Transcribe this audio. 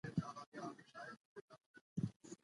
ساده ژوند غوره کړئ.